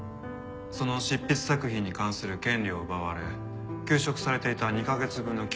その執筆作品に関する権利を奪われ休職されていた２カ月分の給与